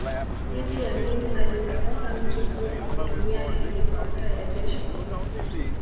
Idi Amin aliutoroka mji huo kwa kutumia helikopta ya jeshi